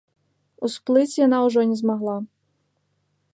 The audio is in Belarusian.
Усплыць яна ўжо не змагла.